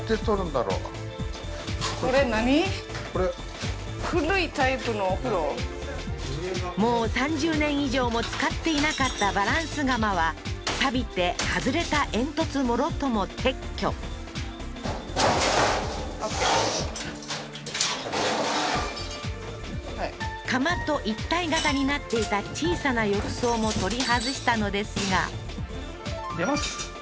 これもう３０年以上も使っていなかったバランス釜はさびて外れた煙突もろとも撤去オーケー釜と一体型になっていた小さな浴槽も取り外したのですがははは